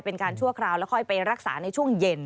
ชั่วคราวแล้วค่อยไปรักษาในช่วงเย็น